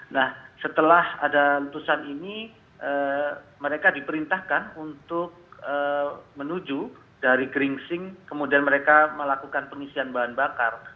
nah setelah ada lentusan ini mereka diperintahkan untuk menuju dari geringsing kemudian mereka melakukan pengisian bahan bakar